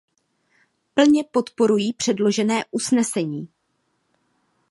Plně podporuji předložené usnesení.